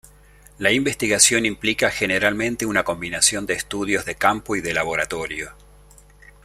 La investigación implica generalmente una combinación de estudios de campo y de laboratorio.